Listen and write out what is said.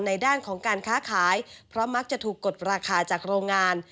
ในด้านของการค้าขายเพราะมักจะถูกกดราคาจากโรงงาน